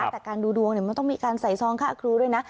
แต่การดูดวงมันต้องมีการใส่ซองค่าครูด้วยนะ